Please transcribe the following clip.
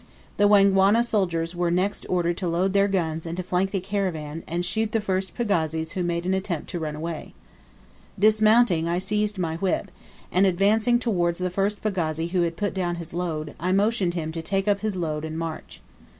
The Wangwana soldiers were next ordered to load their guns and to flank the caravan, and shoot the first pagazis who made an attempt to run away. Dismounting, I seized my whip, and, advancing towards the first pagazi who had put down his load, I motioned to him to take up his load and march.